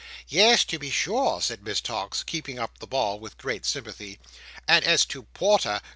"Yes to be sure!" said Miss Tox, keeping up the ball with great sympathy. "And as to porter!